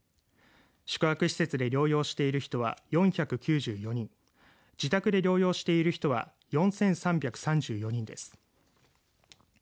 宿泊施設で療養している人は４９４人自宅で療養している人は４３３４人です。